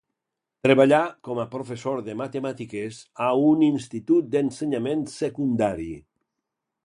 Treballà com a professora de matemàtiques a un institut d'ensenyament secundari.